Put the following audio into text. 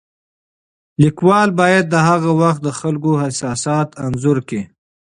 لیکوال باید د هغه وخت د خلکو احساسات انځور کړي.